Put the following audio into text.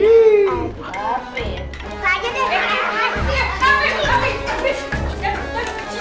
ini mau ngapain